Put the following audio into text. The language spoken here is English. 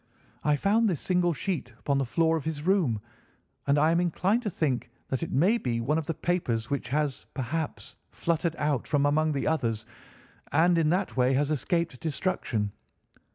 I found this single sheet upon the floor of his room, and I am inclined to think that it may be one of the papers which has, perhaps, fluttered out from among the others, and in that way has escaped destruction.